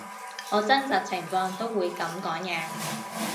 我真實情況都會噉講嘢